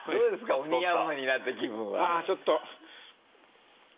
オニヤンマになった気分はちょっと。